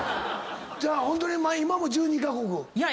じゃあホントに今も１２カ国？いや。